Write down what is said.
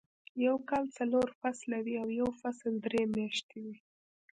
يو کال څلور فصله وي او يو فصل درې میاشتې وي.